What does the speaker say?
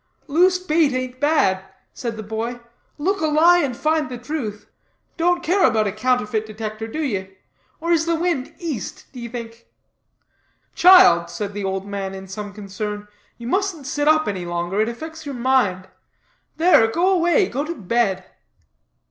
"Loose bait ain't bad," said the boy, "look a lie and find the truth; don't care about a Counterfeit Detector, do ye? or is the wind East, d'ye think?" "Child," said the old man in some concern, "you mustn't sit up any longer, it affects your mind; there, go away, go to bed."